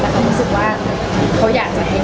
แต่เขารู้สึกว่าเขาอยากจะไม่เกียจมุม